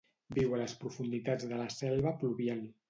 Viu a les profunditats de la selva pluvial.